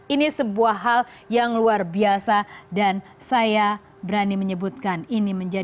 ini sebuah hal yang luar biasa dan saya berani menyebutkan ini menjadi